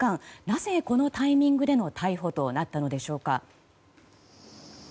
なぜ、このタイミングでの逮捕となったのでしょうか。